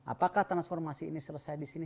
apakah transformasi ini selesai di sini